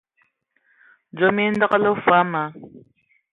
Dzom e andǝgələ fɔɔ ma,